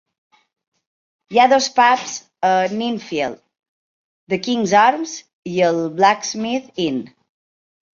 Hi ha dos pubs a Ninfield - "The Kings Arms" i el "Blacksmiths Inn".